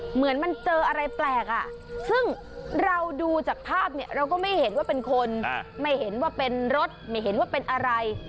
เหมือนมันเจออะไรแปลกอ่ะซึ่งเราดูจากภาพเนี่ยเราก็ไม่เห็นว่าเป็นคนไม่เห็นว่าเป็นรถไม่เห็นว่าเป็นอะไร